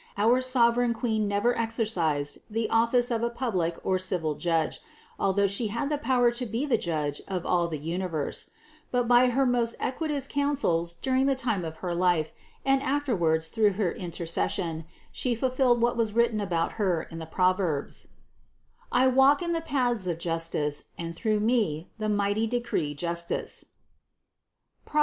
Our sovereign Queen never exercised the office of a public or civil judge, although She had the power to be the judge of all the universe; but by her most equitous counsels during the time of her life, and afterwards through her intercession, She fulfilled what was written about Her in the proverbs: "I walk in the paths of justice and through me the mighty decree justice" (Prov.